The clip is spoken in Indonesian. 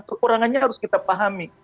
kekurangannya harus kita pahami